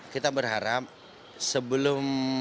kita berharap sebelum